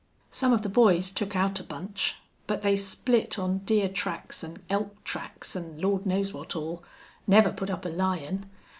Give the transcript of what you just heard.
"Some of the boys took out a bunch. But they split on deer tracks an' elk tracks an' Lord knows what all. Never put up a lion!